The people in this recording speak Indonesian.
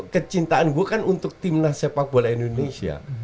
kecintaan gue kan untuk tim nasi sepak bola indonesia